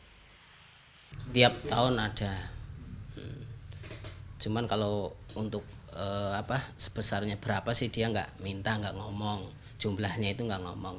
setiap tahun ada cuman kalau untuk sebesarnya berapa sih dia nggak minta nggak ngomong jumlahnya itu nggak ngomong